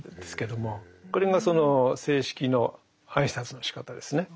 これがその正式の挨拶のしかたですね。